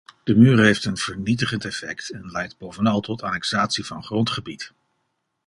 De muur heeft een vernietigend effect en leidt bovenal tot annexatie van grondgebied.